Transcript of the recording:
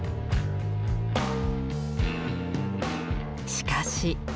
しかし。